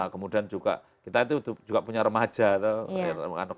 kemudian juga kita itu juga punya remaja tuh